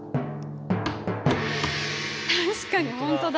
確かに本当だ。